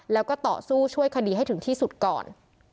แล้วก็ต่อสู้ช่วยคดีให้ถึงที่สุดก่อน